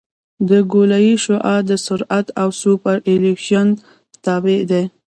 د ګولایي شعاع د سرعت او سوپرایلیویشن تابع ده